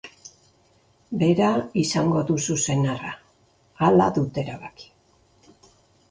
Bera izango duzu senarra, hala dut erabaki.